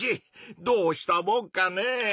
どうしたもんかねぇ。